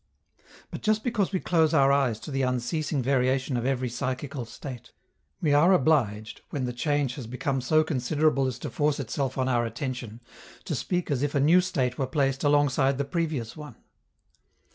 But, just because we close our eyes to the unceasing variation of every psychical state, we are obliged, when the change has become so considerable as to force itself on our attention, to speak as if a new state were placed alongside the previous one.